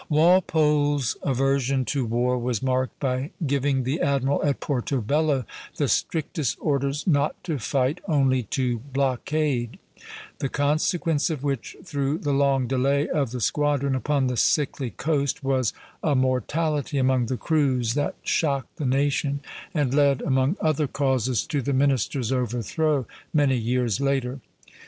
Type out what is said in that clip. Walpole's aversion to war was marked by giving the admiral at Porto Bello the strictest orders not to fight, only to blockade; the consequence of which, through the long delay of the squadron upon the sickly coast, was a mortality among the crews that shocked the nation, and led, among other causes, to the minister's overthrow many years later.